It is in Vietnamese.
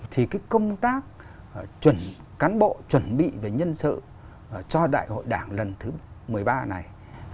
thì cái công tác cán bộ chuẩn bị về nhân sự cho đại hội đảng lần thứ một mươi ba này